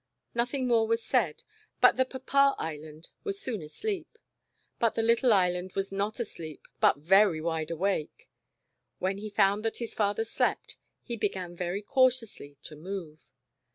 Nothing more was said, and the Papa Island was soon asleep. But the little Island was not asleep but very wide awake. When he found that his father slept, he began very cautiously to move.